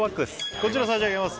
こちら差し上げます